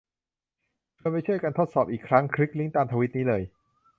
ชวนไปช่วยกันทดสอบอีกครั้ง คลิกลิงก์ตามทวีตนี้เลย